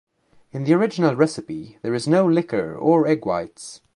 In the original recipe there is no liquor or egg whites.